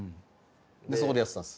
でそこでやってたんです。